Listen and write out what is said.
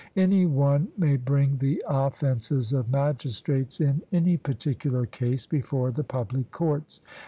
Any one may bring the offences of magistrates, in any particular case, before the public courts.